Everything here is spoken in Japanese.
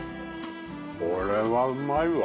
これはうまいわ。